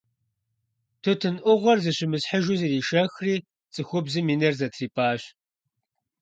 Тутын ӏугъуэр зыщымысхьыжу иришэхри, цӏыхубзым и нэр зэтрипӏащ.